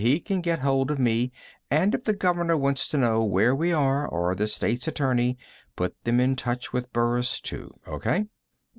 "He can get hold of me and if the Governor wants to know where we are, or the State's Attorney, put them in touch with Burris, too. O.K.?"